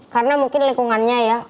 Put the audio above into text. karena mungkin lingkungannya ya